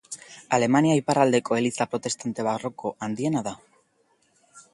Alemania iparraldeko eliza protestante barroko handiena da.